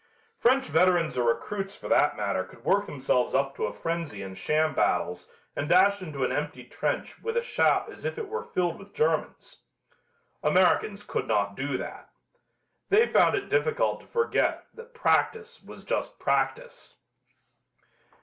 French veterans or recruits for that matter could work themselves up to a frenzy in sham battles and dash into an empty trench with a shout as if it were filled with Germans. Americans could not do that. They found it difficult to forget that practice was just practice.